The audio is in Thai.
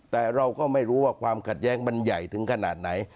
แต่เราก็ไม่รู้ว่าความขัดแย้งมันใหญ่ถึงขนาดไหน